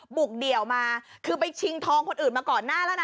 เดี่ยวมาคือไปชิงทองคนอื่นมาก่อนหน้าแล้วนะ